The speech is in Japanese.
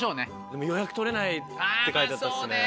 でも予約取れないって書いてあったですね。